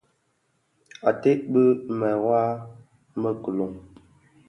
Ated bi mewaa më kiloň,